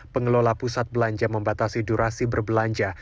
pengelola pusat belanja membatasi durasi berbelanja